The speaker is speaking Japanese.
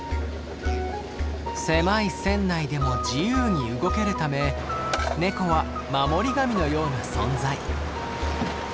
狭い船内でも自由に動けるためネコは守り神のような存在。